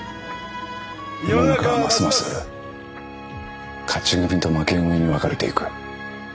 世の中はますます勝ち組と負け組に分かれていく。